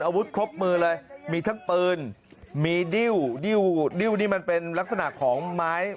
อาวุธครบมือเลยมีทั้งปืนมีดิ้วดิ้วดิ้วนี่มันเป็นลักษณะของไม้